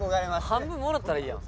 半分もらったらいいやん。